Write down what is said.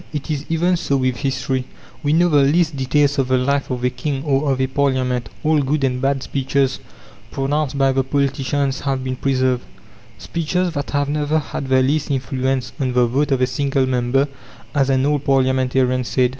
It is even so with history. We know the least details of the life of a king or of a parliament; all good and bad speeches pronounced by the politicians have been preserved: "speeches that have never had the least influence on the vote of a single member," as an old parliamentarian said.